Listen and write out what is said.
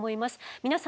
皆様